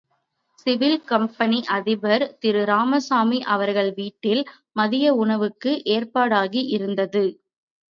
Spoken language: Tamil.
சீவல் கம்பெனி அதிபர் திரு இராமசாமி அவர்கள் வீட்டில் மதிய உணவுக்கு ஏற்பாடாகி இருந்தது.